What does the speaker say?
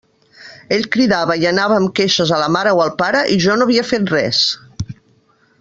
Ell cridava i anava amb queixes a la mare o al pare, i jo no havia fet res.